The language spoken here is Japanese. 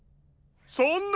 そんな！